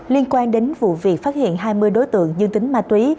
liên quan đến vụ việc phát hiện hai mươi đối tượng dương tính ma túy